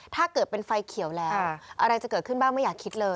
ถ้าเกิดเป็นไฟเขียวแล้วอะไรจะเกิดขึ้นบ้างไม่อยากคิดเลย